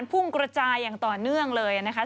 ก็ประจายอย่างต่อเนื่องเลยนะครับ